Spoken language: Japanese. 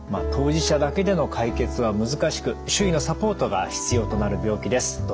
当事者だけでの解決は難しく周囲のサポートが必要となる病気です。